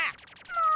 もう！